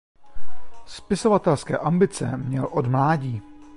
Spisovatelské ambice měl od mládí.